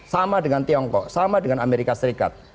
sama dengan tiongkok sama dengan amerika serikat